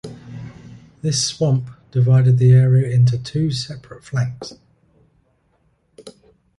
This swamp divided the area into two separate flanks.